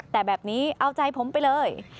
แต่แบบนี้เอาใจผมไปเลย